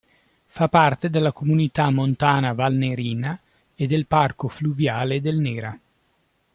Fa parte della Comunità montana Valnerina e del Parco fluviale del Nera.